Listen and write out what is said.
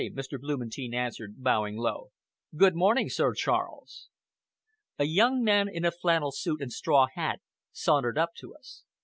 Mr. Blumentein answered, bowing low. "Good morning, Sir Charles!" A young man in a flannel suit and straw hat sauntered up to us.